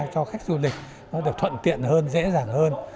cho khách du lịch nó được thuận tiện hơn dễ dàng hơn